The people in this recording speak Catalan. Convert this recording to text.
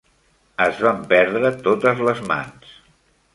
Es van perdre totes les mans.